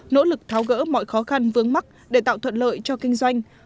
nỗ lực tháo gỡ mọi khó khăn vướng mắt để tạo thuận lợi cho kinh doanh